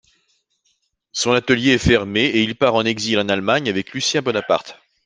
Son atelier est fermé et il part en exil en Allemagne avec Lucien Bonaparte.